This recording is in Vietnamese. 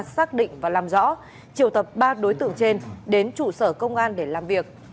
xác định và làm rõ triệu tập ba đối tượng trên đến trụ sở công an để làm việc